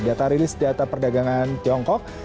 data rilis data perdagangan tiongkok